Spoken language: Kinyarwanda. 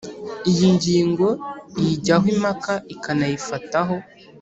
iyi ngingo iyijyaho impaka ikanayifataho